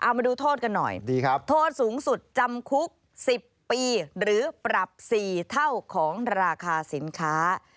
มาดูโทษกันหน่อยดีครับโทษสูงสุดจำคุก๑๐ปีหรือปรับ๔เท่าของราคาสินค้า